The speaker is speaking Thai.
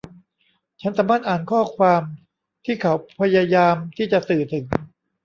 ฉันสามารถอ่านข้อความที่เขาพยายามที่จะสื่อถึง